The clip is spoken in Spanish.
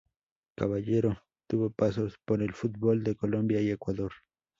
Caballero tuvo pasos por el fútbol de Colombia y Ecuador.